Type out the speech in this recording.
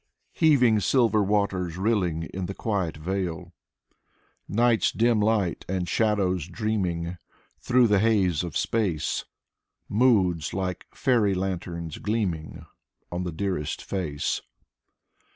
Heaving silver waters rilling In the quiet vale. Night's dim light and shadows dreaming Through the haze of space. Moods like faery lanterns gleaming On the dearest face.